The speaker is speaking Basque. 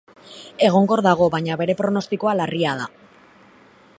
Egonkor dago, baina bere pronostikoa larria da.